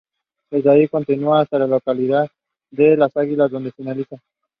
This was very fruitful and the area was the focus of his subsequent research.